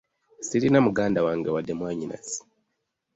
Sirina muganda wange wadde mwannyinaze.